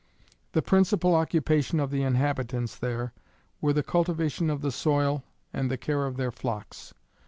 The principal occupation of the inhabitants there, were the cultivation of the soil and the care of their flocks.